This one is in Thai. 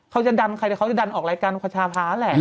เขาจะดันใครแต่เขาจะดันออกรายการคชาพาแหละ